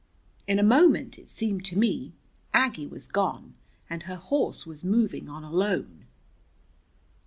In a moment, it seemed to me, Aggie was gone, and her horse was moving on alone.